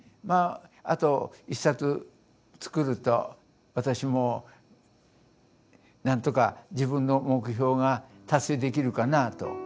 まああと１冊作ると私も何とか自分の目標が達成できるかなぁと。